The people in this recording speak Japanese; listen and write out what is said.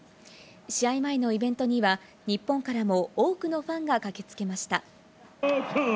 試合前のイベントには日本からも多くのファンが駆けつけました。